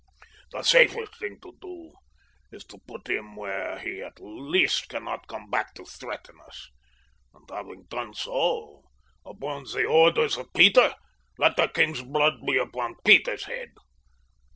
"The safest thing to do is to put him where he at least cannot come back to threaten us, and having done so upon the orders of Peter, let the king's blood be upon Peter's head.